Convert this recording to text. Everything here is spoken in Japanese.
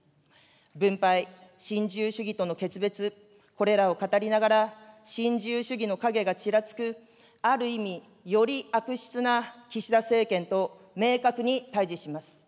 分配、新自由主義との決別、これらを語りながら、新自由主義の影がちらつくある意味、より悪質な岸田政権と明確に対じします。